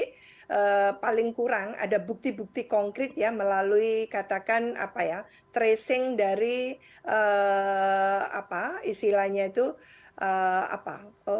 tapi paling kurang ada bukti bukti konkret ya melalui katakan apa ya tracing dari apa istilahnya itu apa